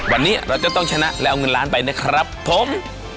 วันนี้เราจะต้องชนะแล้วเอาเงินล้านไปนะครับผม